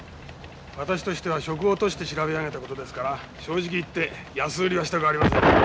私としては職を賭して調べ上げた事ですから正直言って安売りはしたくありません。